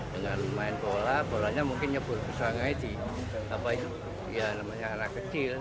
dengan main bola bolanya mungkin nyebur ke sungai di apa itu ya namanya anak kecil